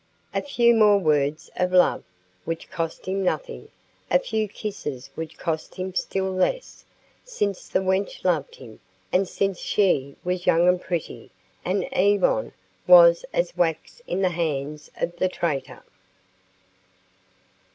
A few more words of love, which cost him nothing, a few kisses which cost him still less, since the wench loved him, and since she was young and pretty, and Yvonne was as wax in the hands of the traitor.